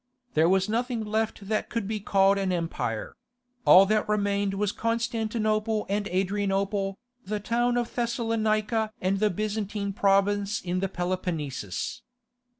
There was nothing left that could be called an empire; all that remained was Constantinople and Adrianople, the town of Thessalonica and the Byzantine province in the Peloponnesus.